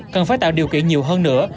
cần phải tạo điều kiện nhiều hơn nữa